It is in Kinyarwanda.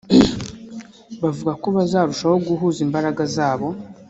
Bavuga ko bazarushaho guhuza imbaraga zabo